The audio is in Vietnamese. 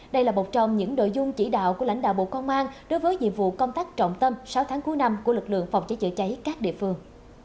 đây là một trong những nội dung chỉ đạo của lãnh đạo bộ công an đối với nhiệm vụ công tác trọng tâm sáu tháng cuối năm của lực lượng phòng cháy chữa cháy các địa phương